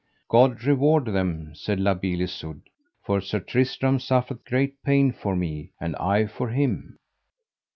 God reward them, said La Beale Isoud, for Sir Tristram suffereth great pain for me, and I for him.